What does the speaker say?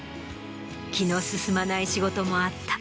気の進まない仕事もあった。